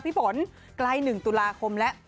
พี่ฝนใกล้๑ตุลาคมแล้ว